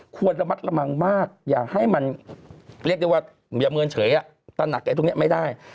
ควรระมัดระมังมากอย่าให้มันเขียกได้ว่าเหมือนเฉยตั้งหนักไม่ได้